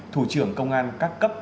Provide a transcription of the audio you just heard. thủ trưởng công an các cấp